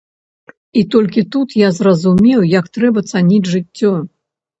І толькі тут я зразумеў, як трэба цаніць жыццё.